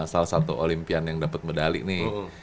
salah satu olimpian yang dapat medali nih